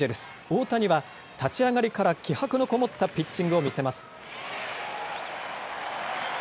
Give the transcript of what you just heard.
大谷は立ち上がりから気迫のこもったピッチングを見せます。